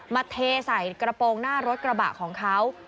เทใส่กระโปรงหน้ารถกระบะของเขา